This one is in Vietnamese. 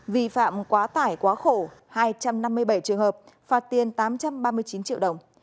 vi phạm quá tải quá khổ hai trăm năm mươi bảy trường hợp phạt tiền tám trăm ba mươi chín triệu đồng